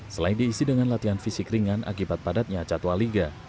selain diisi dengan latihan fisik ringan akibat padatnya catwa liga